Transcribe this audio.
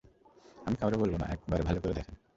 আমি কাউরে বলবো না, একবার ভালো করে দেখেন।